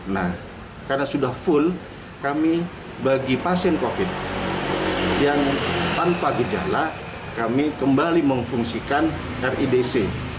nah karena sudah full kami bagi pasien covid yang tanpa gejala kami kembali memfungsikan ridc